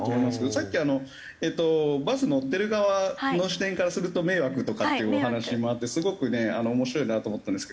さっきえっとバス乗ってる側の視点からすると迷惑とかっていうお話もあってすごくね面白いなと思ったんですけど。